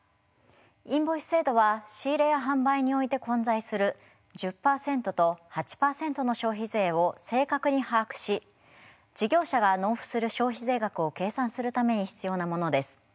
インボイス制度は仕入れや販売において混在する１０％と８％の消費税を正確に把握し事業者が納付する消費税額を計算するために必要なものです。